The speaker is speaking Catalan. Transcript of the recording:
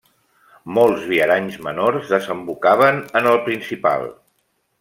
Molts viaranys menors desembocaven en el principal.